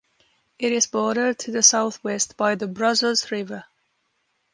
It is bordered to the southwest by the Brazos River.